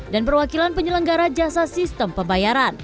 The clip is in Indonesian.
dan perwakilan penyelenggara jasa sistem pembayaran